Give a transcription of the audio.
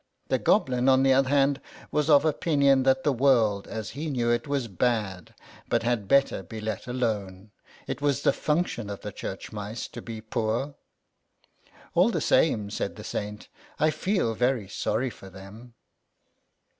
The Goblin, on the other hand, was of opinion that the world, as he knew it, was bad, but had better be let alone. It was the function of the church mice to be poor. " All the same," said the Saint, " I feel very sorry for them."